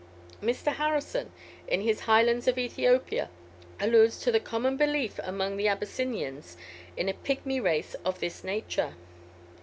Mr. Harrison, in his "Highlands of Ethiopia," alludes to the common belief among the Abyssinians, in a pygmy race of this nature.